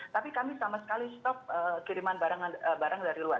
tapi kami sama sekali stop kiriman barang dari luar